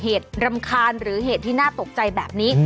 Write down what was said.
รำคาญหรือเหตุที่น่าตกใจแบบนี้